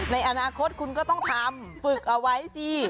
ในอนาคตคุณก็ต้องทำฝึกเอาไว้สิ